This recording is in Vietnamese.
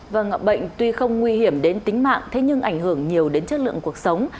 và bệnh tuy không nguy hiểm đến tính mạng thế nhưng ảnh hưởng nhiều đến chất lượng cuộc sống